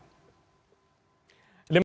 waalaikumsalam warahmatullahi wabarakatuh